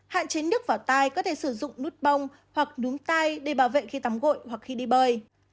hạn chế nước vào tai có thể sử dụng nút bông hoặc núm tai để bảo vệ khi tắm gội hoặc khi đi bơi